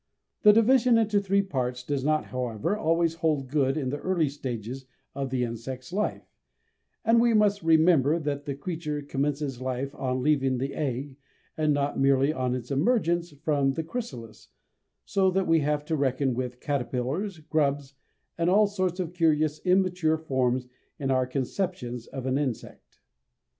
This division into three parts does not however always hold good in the early stages of the insect's life, and we must remember that the creature commences life on leaving the egg, and not merely on its emergence from the chrysalis, so that we have to reckon with caterpillars, grubs and all sorts of curious immature forms in our conceptions of an insect.